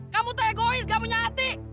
kamu tuh egois gak punya hati